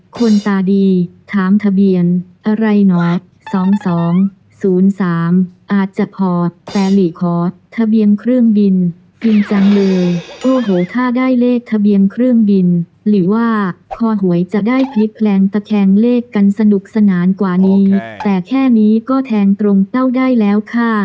คนตาดีถามทะเบียนอะไรเนาะ๒๒๐๓อาจจะพอแต่หลีขอทะเบียนเครื่องบินจริงจังเลยโอ้โหถ้าได้เลขทะเบียนเครื่องบินหลีว่าคอหวยจะได้พลิกแพลงตะแคงเลขกันสนุกสนานกว่านี้แต่แค่นี้ก็แทงตรงเต้าได้แล้วค่ะ